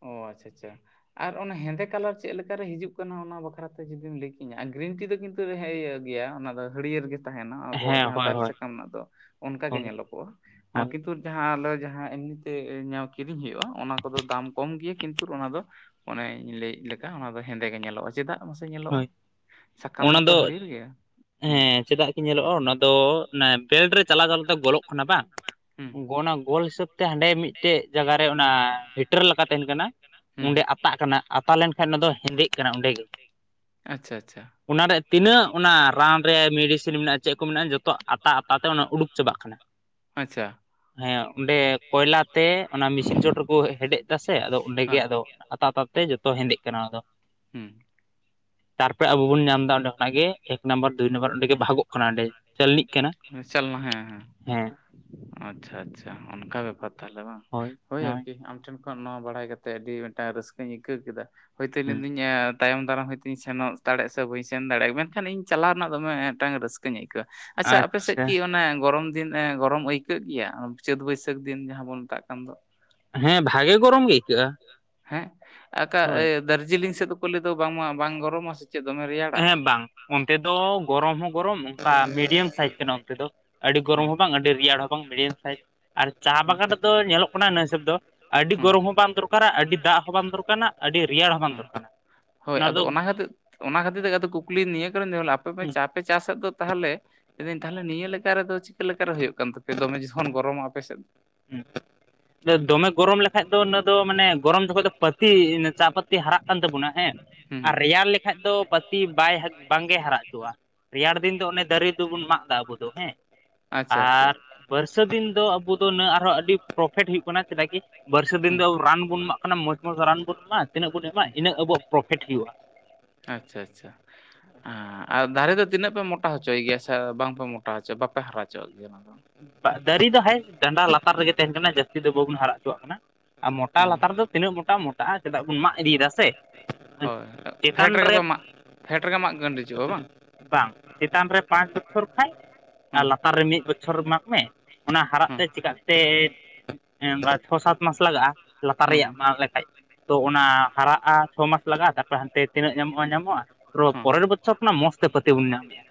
ᱚᱻ ᱟᱪᱪᱷᱟ ᱟᱪᱪᱷᱟ ᱾ ᱟᱨ ᱚᱱᱟ ᱦᱮᱸᱫᱮ ᱠᱟᱞᱟᱨ ᱪᱮᱫᱠᱟᱨᱮ ᱦᱤᱡᱩᱹᱜ ᱠᱟᱱᱟ ᱾ᱚᱱᱟ ᱵᱟᱠᱷᱨᱟ ᱛᱮ ᱡᱩᱫᱤᱢ ᱞᱟᱹᱭ ᱠᱤᱸᱧᱟ ᱜᱨᱤᱱ ᱴᱤ ᱫᱚ ᱠᱤᱱᱛᱩ ᱤᱭᱟᱹ ᱜᱮᱭᱟ ᱚᱱᱟ ᱫᱚ ᱦᱟᱹᱨᱭᱟᱹᱨ ᱜᱮ᱾ ᱛᱟᱦᱮᱸᱱᱟ ᱟᱵᱚᱣᱟᱜ ᱡᱟᱦᱟᱸ ᱫᱟᱨᱮ ᱥᱟᱠᱟᱢ ᱨᱮᱱᱟᱜ ᱫᱚ, ᱚᱱᱠᱟᱜ ᱜᱮ ᱧᱮᱞᱚᱜᱚᱜᱼᱟ ᱟᱨ ᱠᱤᱱᱛᱩ ᱡᱟᱦᱟᱸ ᱟᱞᱮ ᱡᱟᱦᱟᱸ ᱮᱢᱱᱤᱛᱮ ᱠᱤᱨᱤᱧ ᱦᱩᱭᱩᱜᱼᱟ ᱚᱱᱟ ᱠᱚᱫᱚ ᱫᱟᱢ ᱠᱚᱢ ᱜᱮᱭᱟ ᱠᱤᱸᱱᱛᱩ ᱚᱱᱟ ᱫᱚ ᱚᱱᱮ ᱤᱧ ᱞᱟᱹᱭ ᱞᱮᱠᱟ ᱚᱱᱟ ᱫᱚ ᱦᱮᱸᱫᱮ ᱜᱮ ᱧᱮᱞᱚᱜᱼᱟ ᱪᱮᱫᱟᱜ? ᱧᱮᱞᱚᱜᱼᱟ ᱥᱟᱠᱟᱢ ᱢᱟᱛᱚ ᱦᱟᱹᱲᱤᱭᱟᱲ ᱜᱮᱭᱟ᱾ ᱦᱮᱸ ᱪᱮᱫᱟᱜ ᱠᱤ ᱧᱮᱸᱞᱚᱜᱼᱟ ᱚᱱᱟ ᱫᱚ ᱵᱮᱞᱴ ᱨᱮ ᱪᱟᱞᱟᱣ ᱪᱟᱞᱟᱣ ᱛᱮ ᱵᱚᱞᱚᱜ ᱠᱟᱱᱟ ᱵᱟᱝ᱾ ᱚᱱᱟ ᱜᱳᱞ ᱦᱤᱥᱟᱹᱵ ᱛᱮ ᱦᱟᱸᱰᱮ ᱢᱤᱫᱴᱮᱡ ᱡᱟᱜᱟ ᱨᱮ ᱚᱱᱟ ᱦᱤᱴᱟᱨ ᱞᱮᱠᱟ ᱛᱟᱸᱦᱮᱱ ᱠᱟᱱᱟ᱾ ᱚᱸᱰᱮ ᱟᱛᱟᱜ ᱠᱟᱱᱟ ᱟᱛᱟ ᱞᱮᱱᱠᱷᱟᱱ ᱚᱱᱟ ᱫᱚ ᱦᱮᱸᱫᱮᱜ ᱠᱟᱱᱟ ᱚᱸᱰᱮ ᱜᱮ᱾ ᱟᱪᱪᱷᱟ ᱟᱪᱪᱷᱟ ᱚᱱᱟᱨᱮ ᱛᱤᱱᱟᱹᱜ ᱚᱱᱟ ᱨᱟᱱ ᱨᱮ ᱢᱮᱰᱤᱥᱤᱱ ᱢᱮᱱᱟᱜᱼᱟ ᱪᱮᱫ ᱠᱚ ᱢᱮᱱᱟᱜᱼᱟ ᱡᱚᱛᱚ ᱟᱠᱟ ᱟᱠᱟᱱ ᱛᱮ ᱚᱱᱟ ᱠᱚ ᱩᱰᱩᱠ ᱪᱟᱵᱟᱜᱼᱟ᱾ ᱟᱪᱪᱷᱟ ᱦᱮᱸ ᱚᱸᱰᱮ ᱠᱚᱭᱞᱟ ᱛᱮ ᱚᱱᱟ ᱢᱤᱥᱤᱱ ᱪᱚᱴ ᱨᱮᱠᱚ ᱦᱮ ᱦᱮᱰᱮᱡ ᱫᱟ ᱥᱮ ᱟᱫᱚ ᱚᱸᱰᱮᱜᱮ ᱟᱫᱚ ᱟᱛᱟ ᱟᱛᱟ ᱛᱮ ᱡᱚᱛᱚ ᱦᱮᱸᱫᱮᱜ ᱠᱟᱱᱟ ᱚᱱᱟ ᱫᱚ᱾ ᱛᱟᱨᱯᱚᱨᱮ ᱟᱵᱚ ᱵᱚᱱ ᱧᱟᱢ ᱫᱟ ᱚᱸᱰᱮ ᱠᱷᱚᱱᱟᱜ ᱜᱮ ᱮᱠ ᱱᱟᱢᱵᱟᱨ ᱫᱩᱭ ᱱᱟᱵᱟᱨ ᱚᱸᱰᱮ ᱜᱮ ᱵᱷᱟᱜᱚᱜ ᱠᱟᱱᱟ ᱚᱸᱰᱮ ᱪᱟᱞᱱᱤᱜ ᱠᱟᱱᱟ᱾ ᱢᱮᱥ ᱪᱟᱞᱱᱟ ᱦᱮᱸ ᱦᱮᱸ ᱟᱪᱪᱷᱟ ᱟᱪᱪᱷᱟ ᱚᱱᱠᱟ ᱵᱮᱯᱟᱨ ᱛᱟᱦᱞᱮ ᱵᱟᱝ ᱦᱳᱭ ᱟᱨᱠᱤ ᱟᱢ ᱴᱷᱮᱱ ᱠᱷᱚᱱ ᱱᱚᱣᱟ ᱵᱟᱲᱟᱭ ᱠᱟᱛᱮᱜ ᱟᱹᱰᱤ ᱢᱤᱫᱴᱟᱝ ᱨᱟᱹᱥᱠᱟᱹᱧ ᱟᱹᱭᱠᱟᱹᱣ ᱠᱮᱫᱟ ᱦᱳᱭ ᱛᱳ ᱤᱧ ᱢᱮᱱ ᱫᱟ. ᱧ ᱮ ᱛᱟᱭᱚᱢ ᱫᱟᱨᱟᱢ ᱦᱳᱭᱛᱳ ᱤᱧ ᱥᱮᱱᱚᱜ ᱫᱟᱲᱮᱜ ᱥᱮ ᱵᱟᱹᱧ ᱥᱮᱱ ᱫᱟᱲᱮᱜ-ᱟ ᱢᱮᱱᱠᱷᱟᱱ ᱤᱧ ᱪᱟᱞᱟᱣ ᱨᱮᱱᱟᱜ ᱫᱚᱢᱮ ᱢᱮᱫᱴᱟᱝ ᱨᱟᱹᱥᱠᱟᱹᱧ ᱟᱹᱭᱠᱟᱹᱣᱟ᱾ ᱟᱪᱪᱷᱟ ᱟᱯᱮ ᱥᱮᱫ ᱠᱤ ᱚᱱᱟ ᱜᱚᱨᱚᱢ ᱫᱤᱱ ᱮᱸ ᱜᱚᱨᱚᱢ ᱟᱹᱭᱠᱟᱹᱜ ᱜᱮᱭᱟ ᱪᱟᱹᱛ-ᱵᱟᱹᱭᱥᱟᱹᱠ ᱫᱤᱱ ᱡᱟᱦᱟᱸ ᱵᱚᱱ ᱢᱮᱛᱟᱜ ᱠᱟᱱ ᱫᱚ᱾ ᱦᱮᱸ ᱵᱷᱟᱜᱮ ᱜᱚᱨᱚᱢ ᱜᱮ ᱟᱹᱭᱠᱟᱹᱜ-ᱟ᱾ ᱦᱮᱸ ᱟᱠᱟ ᱟᱹ ᱫᱟᱨᱡᱤᱞᱤᱝ ᱥᱮᱫ ᱫᱚᱠᱚ ᱞᱟᱹᱭ ᱫᱚ ᱵᱟᱝᱢᱟ ᱵᱟᱝ ᱜᱚᱨᱚᱢᱟ ᱥᱮ ᱪᱮᱫ ᱫᱚᱢᱮ ᱨᱮᱭᱟᱲ ᱦᱮᱸ ᱵᱟᱝ ᱚᱱᱛᱮ ᱫᱚ ᱜᱚᱨᱚᱢ ᱦᱚᱸ ᱜᱚᱨᱚᱢ ᱵᱟ ᱢᱤᱰᱤᱭᱟᱢ ᱥᱟᱭᱤᱡᱽ ᱠᱟᱱᱟ ᱚᱱᱛᱮ ᱫᱚ ᱟᱹᱰᱤ ᱜᱚᱨᱚᱢ ᱦᱚᱸ ᱵᱟᱝ ᱟᱹᱰᱤ ᱨᱮᱭᱟᱲ ᱦᱚᱸ ᱵᱟᱝ ᱢᱤᱰᱤᱭᱟᱢ ᱥᱟᱭᱤᱡ ᱟᱨ ᱪᱟ ᱵᱟᱜᱟᱱ ᱨᱮᱫᱚ ᱧᱮᱞᱚᱜ ᱠᱟᱱᱟ ᱤᱱᱟᱹ ᱦᱤᱥᱟᱹᱵ ᱫᱚ ᱟᱹᱰᱤ ᱜᱚᱨᱚᱢ ᱦᱚᱸ ᱵᱟᱝ ᱫᱚᱨᱠᱟᱨᱟ ᱟᱹᱰᱤ ᱫᱟᱜ ᱦᱚᱸ ᱵᱟᱝ ᱫᱚᱨᱠᱟᱱᱟ᱾ ᱦᱮᱸ ᱦᱳᱭ ᱟᱫᱚ ᱚᱱᱟ ᱠᱷᱟᱹᱛᱤᱜ ᱚᱱᱟ ᱠᱷᱟᱹᱛᱤᱨ ᱛᱮ ᱜᱮ ᱛᱚ ᱠᱩᱠᱞᱤ ᱱᱤᱭᱟᱹ ᱠᱟᱨᱚᱱ ᱫᱚᱦᱚ ᱞᱟᱜ ᱟ ᱟᱯᱮ ᱯᱮ ᱪᱟ ᱯᱮ ᱪᱟᱥᱮᱜ ᱫᱚ ᱛᱟᱦᱚᱞᱮ ᱞᱮᱫᱤᱧ ᱛᱟᱦᱞᱮ ᱱᱤᱭᱟᱹ ᱞᱮᱠᱟ ᱨᱮᱫᱚ ᱪᱤᱠᱟᱹ ᱞᱮᱠᱟ ᱨᱮ ᱦᱳᱭᱳᱜ ᱠᱟᱱ ᱛᱟᱯᱮᱭᱟ ᱫᱚᱢᱮ ᱡᱚᱠᱷᱚᱱ ᱜᱚᱨᱚᱢᱟ ᱟᱯᱮ ᱥᱮᱫ ᱫᱚ᱾ [unintelligible] ᱫᱚᱢᱮ ᱜᱚᱨᱚᱢ ᱞᱮᱠᱷᱟᱡ ᱫᱚ ᱚᱱᱟᱹ ᱫᱚ ᱢᱟᱱᱮ ᱜᱚᱨᱚᱢ ᱡᱚᱠᱷᱚᱡ ᱫᱚ ᱯᱟᱹᱛᱤ ᱪᱟ ᱯᱟᱹᱛᱤ ᱦᱟᱨᱟᱜ ᱠᱟᱱ ᱛᱟᱵᱩᱱᱟ ᱦᱮᱸ᱾ ᱟᱨ ᱨᱮᱭᱟᱲ ᱞᱮᱠᱷᱟᱡ ᱫᱚ ᱯᱟᱹᱛᱤ ᱵᱟᱭ ᱦᱟ ᱵᱟᱝ ᱜᱮ ᱦᱟᱨᱟ ᱦᱚᱪᱚᱜ-ᱟ ᱨᱮᱭᱟᱲ ᱫᱤᱱ ᱫᱚ ᱚᱱᱮ ᱫᱟᱨᱮ ᱛᱟᱹᱵᱩᱱ ᱢᱟᱸᱜ ᱫᱟ ᱟᱵᱚ ᱫᱚ ᱦᱮᱸ ᱟᱨ ᱵᱟᱹᱨᱥᱟᱹ ᱫᱤᱱ ᱫᱚ ᱟᱵᱚ ᱫᱚ ᱱᱟ. ᱜ ᱟᱨᱦᱚᱸ ᱟᱹᱰᱤ ᱯᱨᱚᱯᱷᱤᱴ ᱦᱩᱭᱩᱜ ᱠᱟᱱᱟ ᱪᱮᱫᱟᱜ ᱠᱤ ᱵᱟᱹᱨᱥᱟ ᱫᱤᱱ ᱫᱚ ᱟᱵᱚ ᱨᱟᱱ ᱵᱚᱱ ᱮᱢᱟᱜ ᱠᱟᱱᱟ ᱢᱚᱸᱡᱽ ᱢᱚᱸᱡᱽ ᱨᱟᱱ ᱵᱚᱱ ᱮᱢᱟ ᱛᱤᱱᱟᱹᱜ ᱵᱚᱱ ᱮᱢᱟ ᱤᱱᱟᱹᱜ ᱟᱵᱚᱣᱟᱜ ᱯᱨᱚᱯᱷᱮᱴ ᱦᱩᱭᱩᱜ-ᱟ᱾ ᱟᱪᱪᱷᱟ ᱟᱪᱪᱷᱟ ᱟᱨ ᱫᱟᱨᱮ ᱫᱚ ᱛᱤᱱᱟᱹᱜ ᱯᱮ ᱢᱚᱴᱟ ᱦᱚ ᱪᱚᱭ ᱜᱮᱭᱟ ᱥᱮ ᱵᱟᱝᱯᱮ ᱢᱚᱴᱟ ᱦᱚᱪᱚ ᱵᱟᱯᱮ ᱦᱟᱨᱟᱪᱚᱣᱟᱜ ᱜᱮᱭᱟ ᱚᱱᱟ ᱫᱚ᱾ ᱵᱟ ᱫᱟᱨᱤ ᱫᱚ ᱦᱮᱭᱮᱥᱴ ᱰᱟᱸᱰᱟ ᱞᱟᱛᱟᱨ ᱨᱮᱜᱮ ᱛᱮᱦᱮᱱ ᱠᱟᱱᱟ ᱡᱟᱹᱥᱛᱤ ᱫᱚ ᱵᱟᱵᱚᱱ ᱦᱟᱨᱟ ᱚᱪᱚᱣᱟᱜ ᱠᱟᱱᱟ᱾ ᱟᱨ ᱢᱚᱴᱟ ᱞᱟᱛᱟᱨ ᱫᱚ ᱛᱤᱱᱟᱹᱜ ᱢᱚᱴᱟ ᱢᱚᱴᱟᱜ-ᱟ ᱪᱮᱫᱟᱜ ᱵᱚᱱ ᱢᱟᱜ ᱤᱫᱤᱭᱮᱫᱟ [unintelligible] ᱦᱚᱭ ᱯᱷᱮᱰ ᱨᱮᱜᱮ ᱯᱮ ᱢᱟᱸᱜ ᱯᱷᱮᱰ ᱨᱮᱜᱮ ᱢᱟᱸᱜ ᱜᱟᱱᱰᱤᱡᱚᱜ-ᱟ ᱵᱟᱝ? ᱵᱟᱝ ᱪᱮᱛᱟᱱ ᱨᱮ ᱯᱟᱸᱪ ᱵᱚᱪᱷᱚᱨ ᱠᱷᱟᱡ ᱟᱨ ᱞᱟᱛᱟᱨ ᱨᱮ ᱢᱤᱜ ᱵᱚ ᱪᱷᱚᱨ ᱢᱟᱸᱜᱽ ᱢᱮ ᱚᱱᱟ ᱦᱟᱨᱟᱜ ᱛᱮ ᱪᱤᱠᱟᱜ ᱛᱮ ᱚᱱᱠᱟ ᱪᱷᱚ ᱥᱟᱛ ᱢᱟᱥ ᱞᱟᱜᱟᱜ-ᱟ ᱞᱟᱛᱟᱨ ᱨᱮᱭᱟᱜ ᱢᱟᱸᱜ ᱞᱮᱠᱷᱟᱡ᱾ ᱛᱚ ᱚᱱᱟ ᱦᱟᱨᱟᱜ-ᱟ ᱪᱷᱚ ᱢᱟᱥ ᱞᱟᱜᱟᱜ-ᱟ ᱛᱟᱨᱯᱚᱨᱮ ᱦᱟᱱᱛᱮ ᱛᱤᱱᱟᱹᱜ ᱧᱟᱢᱚᱜ-ᱟ ᱧᱟᱢᱚᱜ-ᱟ᱾ ᱯᱚᱨᱚ ᱯᱚᱨᱮᱨ ᱵᱚᱪᱷᱚᱨ ᱠᱷᱚᱱᱟᱜ ᱢᱚᱸᱡᱽ ᱛᱮ ᱯᱟ. ᱛᱤ ᱵᱚᱱ ᱧᱟᱢᱮᱜ-ᱟ᱾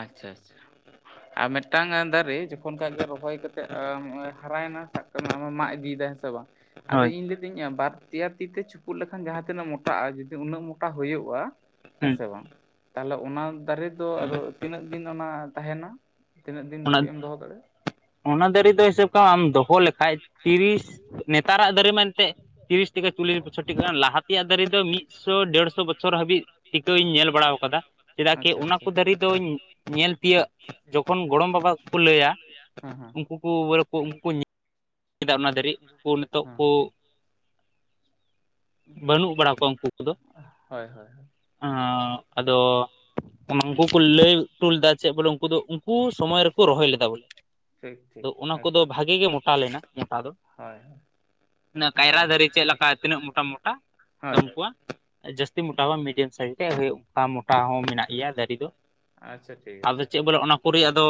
ᱟᱪᱪᱷᱟ ᱟᱪᱪᱷᱟ ᱟ ᱢᱮᱫᱴᱟᱝ ᱫᱟᱨᱮ ᱡᱚᱠᱷᱚᱱ ᱠᱷᱟᱡ ᱜᱮ ᱨᱚᱦᱚᱭ ᱠᱟᱛᱮᱜ ᱟᱸ ᱦᱚᱸᱜ-ᱚᱭ ᱦᱟᱨᱟᱭᱱᱟ ᱥᱟᱵ ᱠᱟᱜ ᱢᱮ ᱟᱢ ᱦᱚᱸᱢ ᱢᱟᱸᱜ ᱤᱫᱤᱭᱮᱫᱟ ᱦᱮᱸ ᱥᱮ ᱵᱟᱝ ᱟᱫᱚ ᱤᱧ ᱞᱮ ᱥᱤᱧ ᱵᱟᱨ ᱛᱮᱭᱟ ᱛᱤ ᱛᱮ ᱪᱷᱩᱯᱩᱜ ᱞᱮᱠᱷᱟᱱ ᱡᱟᱦᱟᱸ ᱛᱤᱱᱟᱹᱜ ᱢᱚᱴᱟᱜ-ᱟ ᱡᱩᱫᱤ ᱩᱱᱟᱹᱜ ᱢᱚᱴᱟ ᱦᱩᱭᱩᱜ-ᱟ ᱦᱮᱸ ᱥᱮ ᱵᱟᱝ ᱛᱟᱦᱞᱮ ᱚᱱᱟ ᱫᱟᱨᱮ ᱫᱚ ᱟᱫᱚ ᱛᱤᱱᱟᱹᱜ ᱫᱤᱱ ᱚᱱᱟ ᱛᱟᱦᱮᱱᱟ? ᱚᱱᱟ, ᱚᱱᱟ ᱫᱟᱨᱮ ᱫᱚ ᱦᱤᱥᱟᱹᱵ ᱠᱟᱜᱢᱮ ᱟᱢ ᱫᱚᱦᱚᱸ ᱞᱮᱠᱷᱟᱡ ᱛᱤᱨᱤᱥ ᱱᱮᱛᱟᱨᱟᱜ ᱫᱟᱨᱮ ᱢᱟ ᱮᱱᱛᱮ ᱛᱤᱨᱤᱥ ᱴᱤᱯᱮ ᱪᱩᱞᱮ ᱵᱚᱪᱷᱚᱨ ᱴᱤᱜᱟᱱ ᱞᱟᱦᱟ ᱛᱮᱭᱟᱜ ᱫᱟᱨᱮ ᱫᱚ ᱢᱤᱫᱥᱚ ᱰᱮᱲᱥᱚ ᱵᱚᱪᱷᱚᱨ ᱦᱟᱹᱵᱤᱡ ᱴᱤᱠᱟᱹᱣ ᱤᱧ ᱧᱮᱞ ᱵᱟᱲᱟᱣ ᱠᱟᱫᱟ ᱪᱮᱫᱟᱜ ᱠᱮ ᱚᱱᱟ ᱠᱚ ᱫᱟᱨᱮ ᱫᱚᱧ ᱧᱮᱞ ᱛᱤᱭᱟᱹᱜ ᱡᱚᱠᱷᱚᱱ ᱜᱚᱢ ᱵᱟᱵᱟ ᱠᱚᱠᱚ ᱞᱟᱹᱭᱟ ᱩᱱᱠᱩ ᱠᱚ [inaudible] ᱠᱮᱫᱟ ᱚᱱᱟ ᱫᱟᱨᱮ ᱩᱠᱩ ᱱᱤᱛᱚᱜ ᱠᱳ ᱵᱟᱹᱱᱩᱜ ᱵᱟᱲᱟ ᱠᱚᱣᱟ ᱩᱝᱠᱩ ᱠᱚ ᱫᱚ, ᱟᱸᱜ ᱟᱫᱚ ᱩᱝᱠᱩ ᱠᱚ ᱞᱟᱹᱭ ᱴᱚ ᱞᱮᱫᱟ ᱪᱮᱫ ᱵᱚᱞᱮ ᱩᱱᱠᱩ ᱫᱚ ᱩᱝ ᱠᱩ ᱥᱚᱢᱚᱭ ᱨᱮ ᱠᱚ ᱨᱚᱦᱚᱭ ᱞᱮᱫᱟ ᱵᱚᱞᱮ᱾ ᱫᱚ ᱚᱱᱟ ᱠᱚ ᱫᱚ ᱵᱷᱟᱜᱮ ᱜᱮ ᱢᱚᱴᱟ ᱞᱮᱱᱟ ᱢᱚᱴᱟ ᱫᱚ᱾ ᱦᱳᱭ ᱦᱳᱭ, ᱤᱱᱟ ᱠᱟᱭᱨᱟ ᱫᱟᱨᱮ ᱪᱮᱫ ᱞᱟᱠᱟ ᱛᱤᱱᱟᱹᱜ ᱢᱚᱴᱟ ᱢᱚᱴᱟ ᱫᱟᱢᱠᱩ ᱠᱚᱣᱟ ᱡᱟᱹᱥᱛᱤ ᱢᱚᱴᱟ ᱦᱚᱸᱵᱟᱝ ᱢᱤᱰᱤᱭᱟ᱾ ᱥᱟᱹᱨᱤ ᱛᱮ ᱦᱳᱭᱳᱜ-ᱟ ᱢᱚᱴᱟ ᱦᱚᱸ ᱢᱮᱱᱟᱜ ᱜᱮᱭᱟ ᱫᱟᱨᱤ ᱫᱚ, ᱟᱫᱚ ᱪᱮᱫ ᱵᱚᱞᱮ ᱚᱱᱟ ᱠᱚᱨᱮ ᱟᱫᱚ